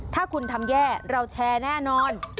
ถ้าคุณทำแย่เราแชร์แน่นอน